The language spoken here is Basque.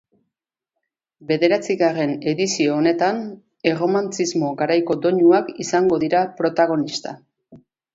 Bederatzigarren edizio honetan erromantzismo garaiko doinuak izango dira protagonista.